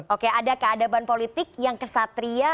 oke ada keadaban politik yang kesatria